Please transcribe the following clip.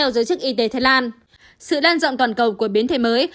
giới chức y tế thái lan sự đan dọn toàn cầu của biến thể mới